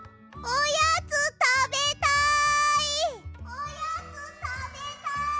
おやつたべたい！